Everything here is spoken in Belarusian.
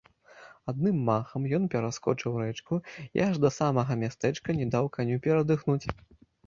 Адным махам ён пераскочыў рэчку і аж да самага мястэчка не даў каню перадыхнуць.